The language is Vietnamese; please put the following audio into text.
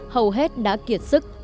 hầu hết đã kiệt sức